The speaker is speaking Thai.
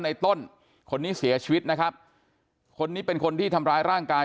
ในต้นคนนี้เสียชีวิตนะครับคนนี้เป็นคนที่ทำร้ายร่างกาย